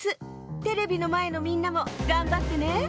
テレビのまえのみんなもがんばってね。